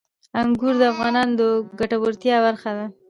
انګور د افغانانو د ګټورتیا برخه ده.